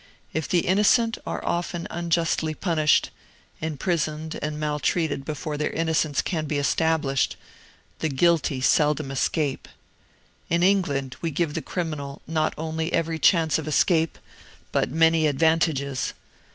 If the innocent are often unjustly punished imprisoned and maltreated before their innocence can be established the guilty seldom escape. In England we give the criminal not only every chance of escape, but many advantages.